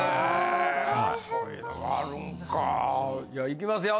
いきますよ。